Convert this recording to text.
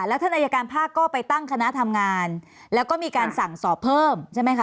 แล้วท่านอายการภาคก็ไปตั้งคณะทำงานแล้วก็มีการสั่งสอบเพิ่มใช่ไหมคะ